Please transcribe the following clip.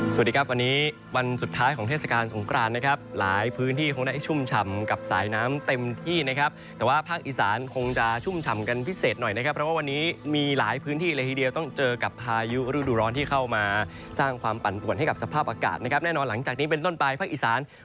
สวัสดีครับวันนี้วันสุดท้ายของเทศกาลสงครานนะครับหลายพื้นที่คงได้ชุ่มฉ่ำกับสายน้ำเต็มที่นะครับแต่ว่าภาคอีสานคงจะชุ่มฉ่ำกันพิเศษหน่อยนะครับเพราะว่าวันนี้มีหลายพื้นที่เลยทีเดียวต้องเจอกับพายุฤดูร้อนที่เข้ามาสร้างความปั่นป่วนให้กับสภาพอากาศนะครับแน่นอนหลังจากนี้เป็นต้นไปภาคอีสาน